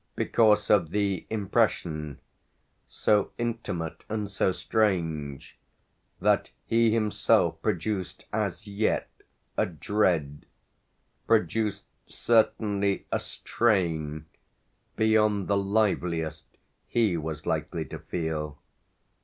because of the impression, so intimate and so strange, that he himself produced as yet a dread, produced certainly a strain, beyond the liveliest he was likely to feel.